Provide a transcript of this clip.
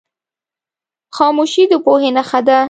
خاموشي، د پوهې نښه ده.